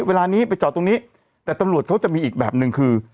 เวลานี้ไปจอดตรงนี้แต่ตำรวจเขาจะมีอีกแบบหนึ่งคือ